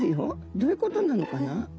どういうことなのかな？